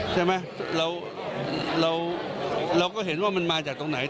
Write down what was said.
ใช่ไหมเราก็เห็นว่ามันมาจากตรงไหน